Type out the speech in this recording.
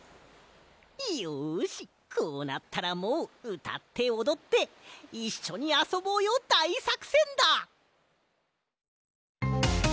いよしこうなったらもううたっておどっていっしょにあそぼうよだいさくせんだ！